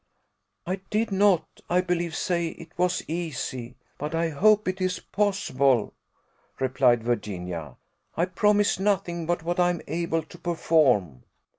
"I did not, I believe, say it was easy; but I hope it is possible," replied Virginia. "I promise nothing but what I am able to perform."